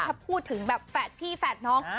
ถ้าพูดถึงแบบแฝดพี่แฝดน้อง